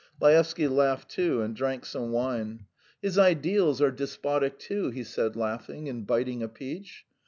Laevsky laughed too, and drank some wine. "His ideals are despotic too," he said, laughing, and biting a peach.